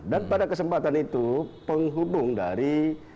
dan pada kesempatan itu penghubung dari